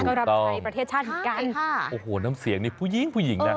ก็รับรับไทยประเทศชาติดไกลค่ะโอ้โหน้ำเสียงนี่ผู้ยิงผู้หญิงน่ะ